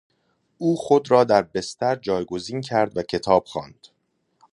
او خود را در بستر جایگزین کرد و کتاب خواند.